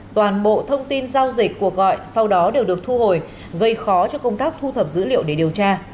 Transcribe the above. toàn bộ thông tin giao dịch cuộc gọi sau đó đều được thu hồi gây khó cho công tác thu thập dữ liệu để điều tra